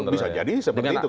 bisa jadi seperti itu